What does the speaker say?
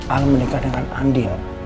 al menikah dengan andin